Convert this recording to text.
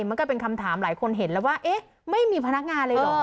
มันก็เป็นคำถามหลายคนเห็นแล้วว่าเอ๊ะไม่มีพนักงานเลยเหรอ